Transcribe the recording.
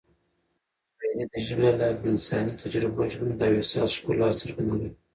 شاعري د ژبې له لارې د انساني تجربو، ژوند او احساس ښکلا څرګندوي.